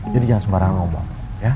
jadi jangan sembarangan ngomong